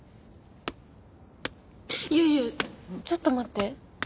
いやいやちょっと待って。